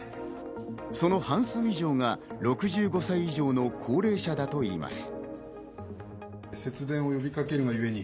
その半数以上が６５歳以上の高齢者だといいます。